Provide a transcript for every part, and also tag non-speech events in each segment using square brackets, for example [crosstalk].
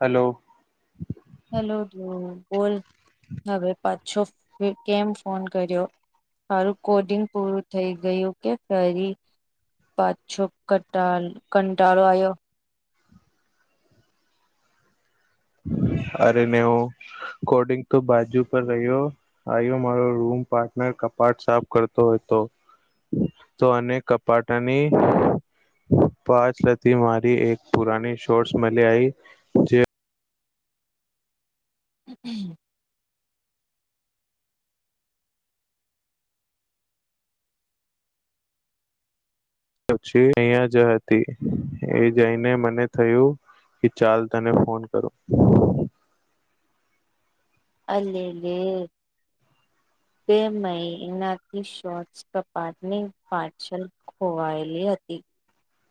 Hello hello તો બોલ હવે પાછો કેમ ફોન કર્યો મારું કોડિંગ પૂરું થઈ ગયું કે ફરી પાછો કંટાન કંટાળો આવ્યો અરે ને હું કોડિંગ તો બાજુ પર રહ્યો આવ્યો મારો રૂમ પાર્ટન કપાટ સાફ કરતો હોય તો તો અને કપાટની પાંચ લતી મારી એક પુરાની શોટ્સ મળી આવીઈ જે [unintelligible] પછી અહીંયા જ હતી એ જઈને મને થયું કે ચાલ તને ફોન કરો અલે લે બે મ એનાથી શોટસ કપાટની પાછલ ખોવાયેલી હત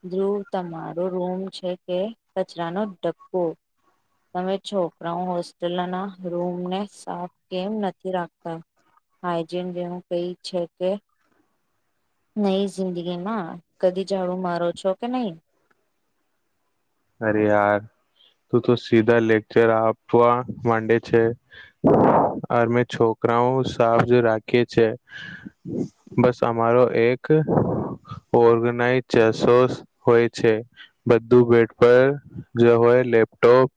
ધ્રુવ તમારો રૂમ છે કે કચરાનો ડકો. તમે છોકરાઓ હોસ્ટેલના રૂમને સાફ કેમ નથી રાખતા. હઇજીન જેવું કઈ છે કે નહી જિંદગીમાં કદી જાડું મારો છો કે નહીં. અરે યાર. તું તો સીધા લેકચર આપવાડે છે. અરમે છોકરા સા રાખી છે. બસ અમારો એક ઓગના ચસો હોય છે. બધું પરોય લેપટોપ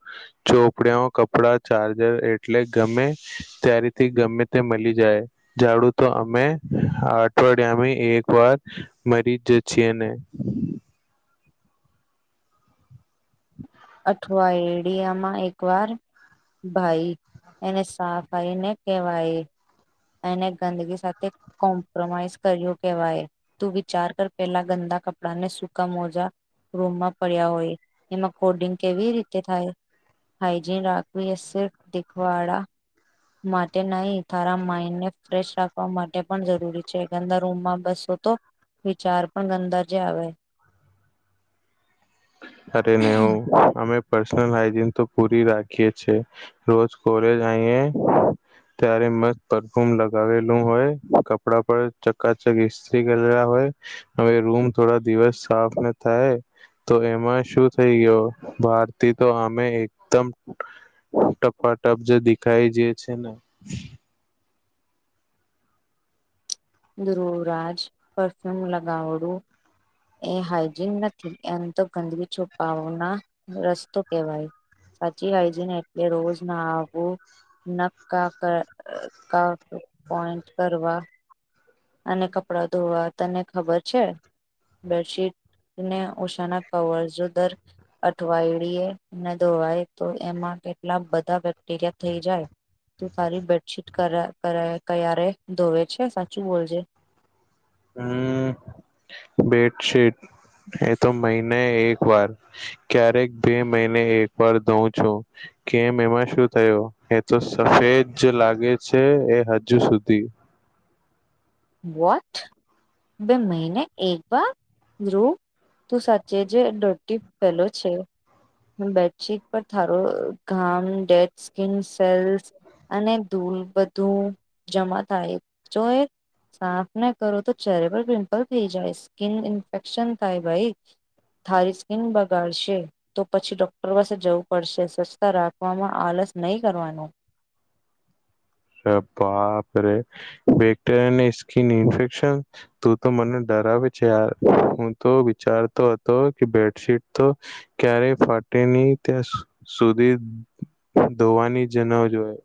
ચોપડિયા કપડા ચાર્જર એટલે ગમે ત્યારેથી ગમે તે મળી જાય ઝાડું તો અમે અઠવાડિયામ. એક વાર મરી જ છે ને. અથવા એડિયામાં એક વાર. ભાઈ એને સાફ આવીને કેહેવાય. એને ગંદગી સાથે કોમ્પ્રોમાઈઝ કર્યો કેવાય. તું વિચાર કર પેલા ગંદા કપડા ને સુૂકાા મોજા રૂમમાં પડ્યા હોય એમાં કોડિંગ કેવી રીતે થાય. હાઈજન રાખું યા સિફ [unintelligible] દખવાડા માટે નહી તારા માઇન્ડને ફ્રેશ રાખવા માટે પણ જરૂરી છે. ગંદા રૂમમાં બસો તો વિચાર પણ ગંદાજે આવે. [inaudible] હારેને હું અમે પર્સનલ હાઈજીન તો પૂરી રાખીએ છે. રોજ કોલેજ આએ ત્યારે મસ્ત પરફ્યુમ લગાવેલું હોય કપડા પર. ચકાચક હિસ્ત્રી કરેલા હોય. હવે રૂમ થોડા દિવસ સાફને થાય તો માં શું થઈ ગયો ભારતી તો અમે એકદમ ટપાટપ જે દેખાઈ જે છે ને ધુરુવરાજ પરફ્યૂમ લગાવડું એ હાઈજીન નથી એમ તો ગંદકી છુપાવવાના રસ્તો કહેવાય સાચી હાઈજીન એટલે રોજ નાહવુ નકા કા પોઈન્ટ કરવા અને કપડા ધોવા તને ખબર છે બેડશીટ ને ઓછાના કવર જો દર અઠવાડીએ ન ધોવાય તો એમાં કેટલા બધા બેક્ટેરિયા થઈ જાય. તું ખાલી બેડશીટ કરે કરે ક્યારે ધોવે છે સાચું બોલજે હમ બેડશીટ એ તો મહિને એક વાર ક્યારેક બે મહિને એક વાર ધોવ છું. કેમ એમાં શું થયો એ તો સફેદ લાગે છે એ હજુ સુધી વોટ બે મહિને એકવાર ધ્રુવ તું સાચે જ ડોટી પેલો છે. બેડશીટ પર થારો ઘામ ડેડ સ્કીન સેલ્સ અને ધૂલ બધું જમા થાય તોએ સાફ ની કરો તો ચેરેબલ પિમ્પલ થઈ જાય સ્કીિન ઇન્ફેક્શન થાય ભાઈ થારી સ્કીિન બગાડશે તો પછી ડોક્ટર પાસે જવું પડશે સ્વચ્છતા રાખવામાં અલગ બસ નહી કરવાનું [inaudible] અરે બાપરે બેક્ટરિયાની સ્કીિન ઇન્ફેક્શન તું તો મને ડ રાવે છે યાર હું તો વિચારતો હતો કે બેડશીટ તો ક્યારે ફાટી ની ત્યાં સુધી ધોવાની જ ન જોયે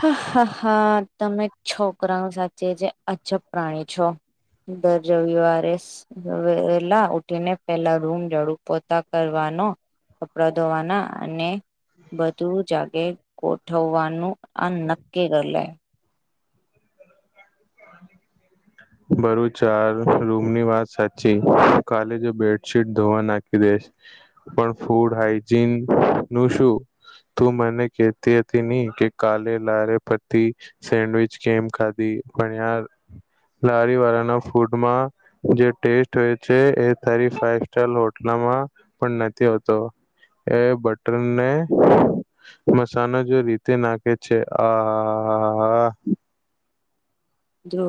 હા હા હા તમે છોકરાની સાચે જે અજબ પ્રાણી છો. દર રવિવારે વેલા ઉઠીને પેલા રૂમ જાડું પોતા કરવા નુ કપડા ધોવાના અને બધું જાતે ગોઠવવાનું આ નક્કી કરલે [inaudible] [inaudible] બરું ચાર રૂમની વાત સાચી કાલે જો બેડશીટ ધોવા નાખી દે પણ ફૂડ હાઈજીન નું શું તું મને કેતી હતી ની કે કાલે લારે પતી સેન્ડવીચ કેમ ખાધી પણ યાર લારી વાળાના ફૂડમાં જે ટેસ્ટ હોય છે એ તારી ફાઈ સ્ટાર હોટલમાં મા પણ નથી હોતો એ બટરને મસાનો જો રીતે નાખે છે આ હા હા હા જો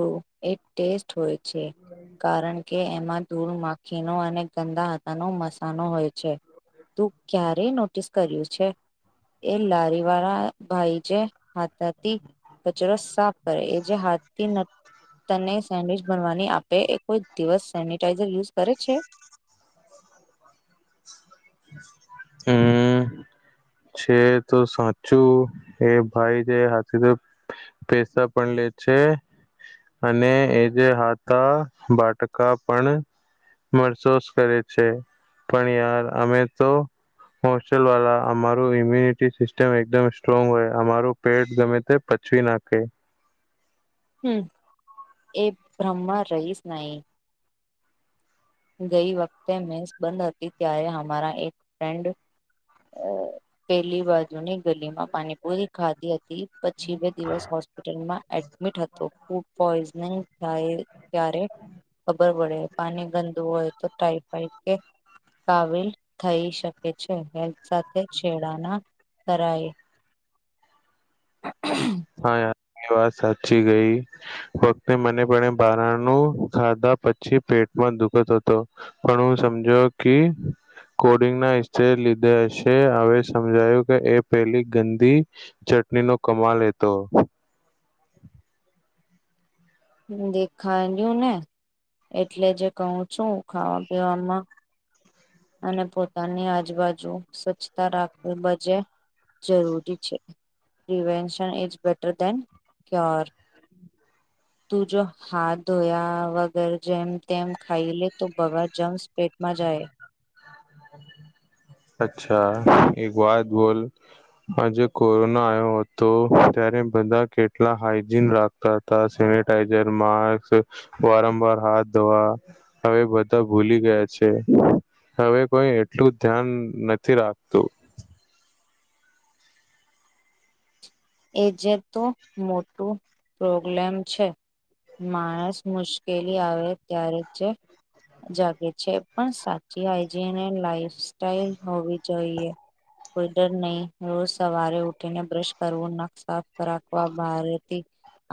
એ ટેસ્ટ હોય છે કારણ કે એમાં ધૂળ માખીનો અને ગંદા આટાનો મસાનો હોય છે. તું ક્યારેય નોટિસ કર્યું છે. એ લારી વાળા ભાઈ જે હાથ હતી કચરો સાફ કરે એ જે હાથથી તને સેન્ડવિચ બનવાની આપે એ કોઈ દિવસ સેનિટાઈઝર યુઝ કરે છે. હમ છે તો સાચું એ ભાઈ જે હાથે તો પૈસા પણ લે છે. છે અને એ જે હાથા બાટકા પણ મરસોસ કરે છે પણ યાર અમે તો હોસ્ટેલ વાલા અમારું ઇમ્યુનિટી સિસ્ટમ એકદમ સ્ટ્રોંગ હોય અમારું પેટ ગમે તે પચવી નાખે હમ એ બ્રહ્માં રહીશ નઈ ગઈ વખતે મેસ બંધ હતી ત્યારે હમારા એક ફ્રેન્ડ અ પહેલી વાત ની ગલીમાં પાણીપુરી ખાધી હતી પછી બે દિવસ હોસ્પિટલમાં એડમિટ હતો ફૂડ પોઈઝનિંગ થાય ત્યારે ખબર પડે પાની ગંદુ તો ટાઈફાઈડ કે કાવિલ થઈ શકે છે સાથે છેડાણા કરાય હ હ વાત સાચી ગઈ વખતે મને પણ બારણું ખાધા પછી પ પેટ દુઃખદ હતો પણ હું સમજો કે કોડિંગનારે લીધે હશે હવે સમજાયું કે એ પેલી ગંદી ચ ચટણી નો કમાલ એેતો દેખાડું ને એટલે જે કહું છું ખાવા પીવાવામાં અને પોતાની આજુબાજુ સ્વચ્છતા રાખવી બજે જરૂરી છે પ્રિવેશન ઇ બેટર ડેન ધેન્યોર તું જો હાથ ધોયા વગર જેમ તેમ ખાઈ લે તો બવાા જમ પેટમાં જાય [unintelligible] [unintelligible] અચ્છા એક વાત બોલ હજે કોરોના આવ્યો હતો ત્યારે બધા કેટલા હાઈજીન રાખતા હતા સેનેટાઈઝર માસ્ક વારંવાર હાથ ધોવા હવે બધા ભૂલી ગયા છે હવે કોઈ એટલું ધ્યાન નથી રાખતું એ જે તો મોટું પ્રોબ્લેમ છે માણસ મુશ્કેલ ઉકેલી આવે ત્યારે જ જાગે છે પણ સાચી હાઈજીન અને લાઈફ સ્ટાઈલ હોવી જોઈએ કોઈ ડર નહીં રોજ સવારે ઉઠીને બ્રશ કરવું નખ સાફ રાખવા બારથી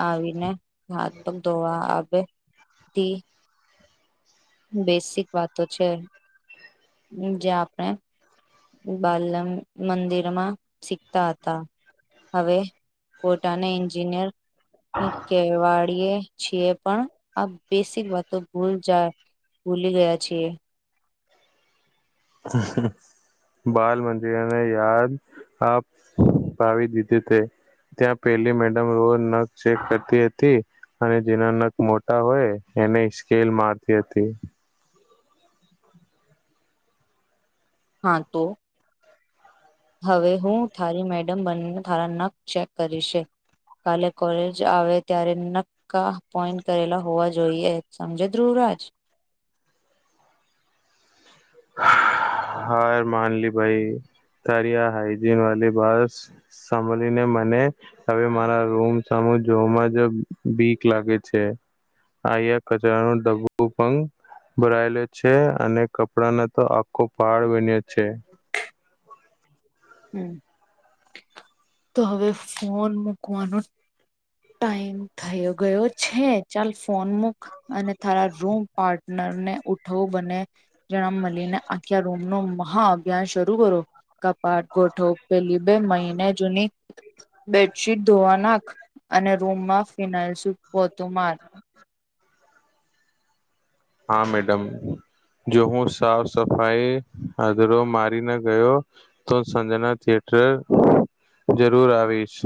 આવીને હાથ પગ ધોવા આવે તે. બેસિક વાતો તો છે જે આપણે બાલ મંદિરમાં શીખતા હતા. હવે પોટાના એન્જિનિયર કેવાડીએ છીએ. પણ આ બેસિક વાત તો ભૂલ જા ભૂલી ગયા છીએ. હ બાલ મંદિરને યાદ આપ પાવી દીધું છે. ત્યાં પેલી મેડમ રોજ નખ ચેક કરતી હતી અને જેના નખ મોટા હોય એને સ્કેલ મારતી હતી. હા તો. હવે હું થારી મેડમ બનીને થારા નખ ચેક કરીશ. કાલે કોલેજ આવે ત્યારે નક્કા પોઈન્ટ કરેલા હોવા જોઈએ સમજે ધુવ રાજ. [unintelligible] હા માનલી ભાઈ. તારી આ હાઈજીન વાળલી બસ સાભળીને મને હવે મારા રૂમ હુ જોવામાં જ બીક લાગે છે. આયા કચરા નો ડબો પંગ ભરાયેલો છે અને ક ડાનો તો આખો પહાડ બન્યો છે. હમ્મ, તો હવે ફોન મુૂકવાનો ટાઈમ થયો ગયો છે. ચાલ ફોન મૂક. અને તારા રૂમ પાર્ટનર ને ઉઠવું બને જણ મળીને આખ્યા રૂમ નો મહા અભ્યાન શરૂ કરો. કપાટ ગોઠવ, પેલી બે મહિને જૂની બેડશીટ ધોવા નાખ. અને રૂમમાં ફિનાઇલ શું પોતું માર. હા મેડમ. જો હું સાફ સફાઈ અદરો મારીને ગયો તો સંજના શે ઠ જરૂર આવીશ.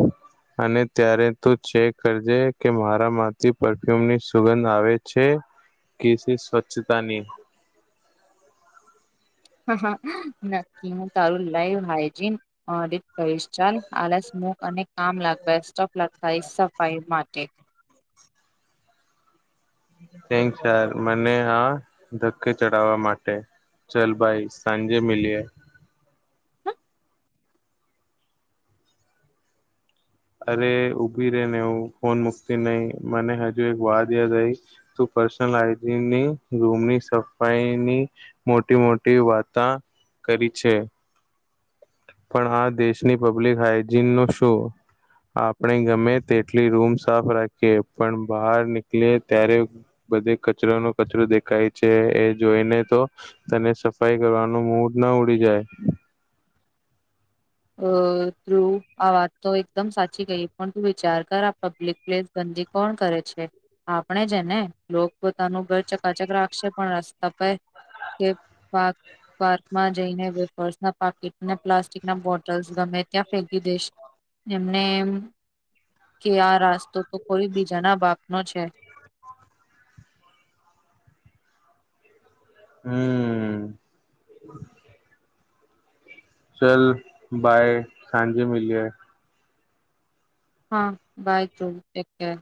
અને ત્યારે તું ચેક કરજે કે મારા માંથી પરફ્યુમની સુગંધ આવે છે. કેસી સ્વચ્છતાની. હા નક્કી હું તારું લાઈવ હાયજીન અ ડી કહીશ ચાલ આલસ મુક અને કામ લાગ બેસ્ટ ઓફ લક ભાઈ સફાઈ માટે. થેન્ક ચાલ મને આ ધક્કે ચડાવવા માટે. ચલ બાઈ સાંજે મલીએ. અરે ઉભી રે ને હું ફોન મુકતી નહી મને હજુ એક વાત યાદ આઈ. તું પર્સનલ હાઈજીની રૂમની સફાઈની મોટી મોટી વાતા કરી છે. પણ આ દેશની પબ્લિક હાઈજીન નો શું? આપણે ગમે તેટલી રૂમ સાફ રાખીએ. પણ બહાર નીકલીએ ત્યારે બધે કચરો નો કચરો દેખાય છે. એ જોઈને તો તને સફાઈ કરવાનું મૂળ ન ન ઉડી જાય. અ ધ્રુવ આ વાત તો એકદમ સાચી કહી પણ તું વિચાર કર આ પબ્લિક પ્લેસ ધ ગંદી કોણ કરે છે. આપણે જેને લોક પોતાનું ઘર ચકાચક રાખશે પણ રસ્તા પર કે પાક પાર્કમાં જઈને વેપર્સના પાકીટને પ્લાસ્ટિક ના બોટ ટલસ ગમે ત્યાં ફેકી દઈશ એમને એમ. કે આ રાસ્તો તો કોઈ બીજાના બાપનો છે. [inaudible] હમ્મ. ચલ બાય સાંજે મલીએ. હા બાય ધ્રુવ ટેક કેર